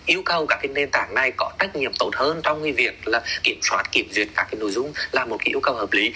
yêu cầu các nền tảng này có trách nhiệm tốt hơn trong việc kiểm soát kiểm duyệt các nội dung là một yêu cầu hợp lý